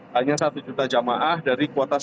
hanya satu juta jamaah dari kuota